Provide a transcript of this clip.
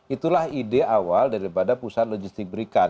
itulah ide awal daripada pusat logistik berikat